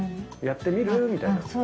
やってみる？みたいな。